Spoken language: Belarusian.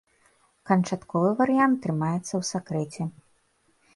Канчатковы варыянт трымаецца ў сакрэце.